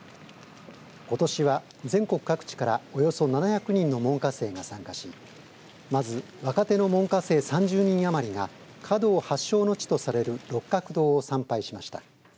ことしは全国各地からおよそ７００人の門下生が参加しまず、若手の門下生３０人余りが華道発祥の地とされる六角堂を参拝しました。